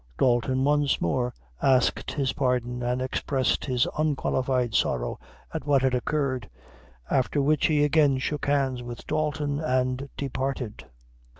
Dalton once more asked his pardon, and expressed his unqualified sorrow at what had occurred; after which he again shook hands with Dalton and departed.